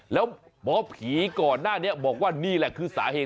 แล้วหมอผีก่อนหน้านี้บอกว่านี่แหละคือสาเหตุ